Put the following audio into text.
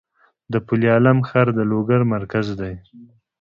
د پل علم ښار د لوګر مرکز دی